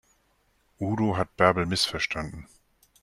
Udo hat Bärbel missverstanden.